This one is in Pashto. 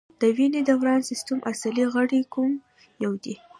د وینې دوران سیستم اصلي غړی کوم یو دی